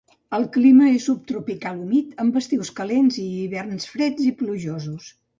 El clima és subtropical humit, amb estius calents i hiverns freds i plujosos.